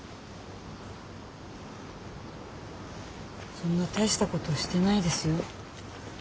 そんな大したことしてないですよ。